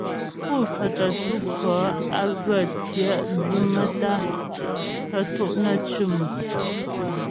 Pú cwətə ntu kʉɔ̌ á ghə tyɛ'dwʉ maə́tá'a tə to' nə́ cʉ̂m.